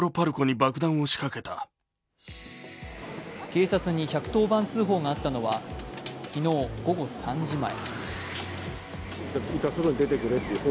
警察に１１０番通報があったのは昨日、午後３時前。